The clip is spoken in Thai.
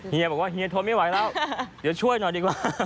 เฮียบอกว่าเฮียทนไม่ไหวแล้วเดี๋ยวช่วยหน่อยดีกว่า